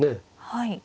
はい。